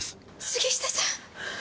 杉下さん！